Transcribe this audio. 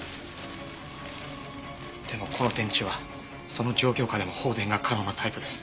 でもこの電池はその状況下でも放電が可能なタイプです。